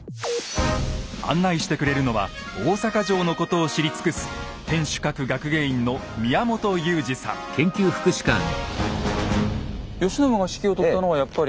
案内してくれるのは大阪城のことを知り尽くすいえ